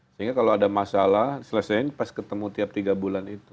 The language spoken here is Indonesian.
sehingga kalau ada masalah selesaiin pas ketemu tiap tiga bulan itu